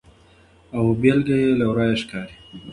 او بیلګه یې له ورایه ښکاري.